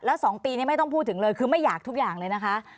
แล้ว๒ปีนี้ไม่ต้องพูดถึงเลยคือไม่อยากทุกอย่างเลยนะคะ